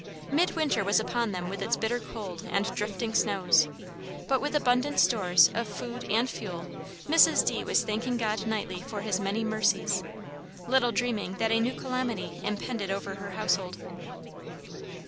Midwinter was upon them with its bitter cold and drifting snows; but with abundant stores of food and fuel, Mrs. D. was thanking God nightly for his many mercies, little dreaming that a new calamity impended over her household.